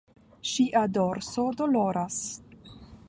Ŝia dorso doloras.